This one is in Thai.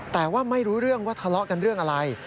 แต่ว่าไม่รู้เรื่องว่าทะเลาะกันเรื่องอะไร